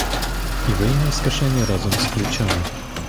І вийняв з кишені разом з ключами.